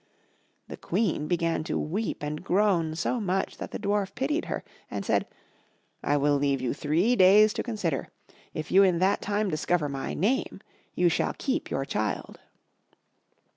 The Queen began to weep and groan so much that the Dwarf pitied her, and said, "I will leave you three days to consider; if you in that time discover my name you shall keep your child."